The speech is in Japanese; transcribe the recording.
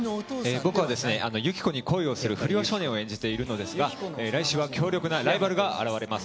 僕はユキコに恋する不良少年を演じているんですが、来週は強力なライバルが現れます。